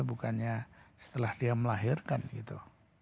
bukannya setelah dia melahirkan gitu